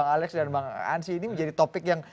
garansi ini menjadi topik yang